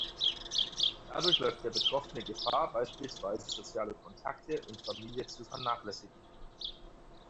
Dadurch läuft der Betroffene Gefahr beispielsweise soziale Kontakte und Familie zu vernachlässigen.